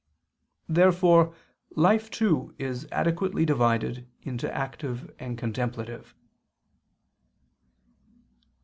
Therefore life too is adequately divided into active and contemplative.